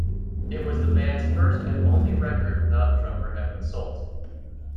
It was the band's first and only record without drummer Evan Sult.